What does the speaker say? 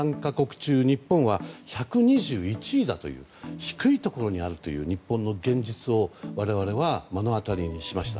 中日本は１２１位で低いところにあるという現実を我々は目の当たりにしました。